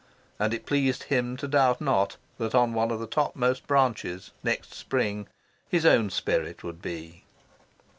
And it pleased him to doubt not that on one of the topmost branches, next Spring, his own spirit would be.